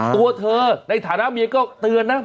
ตัวเธอในฐานะเมียก็เตือนนะ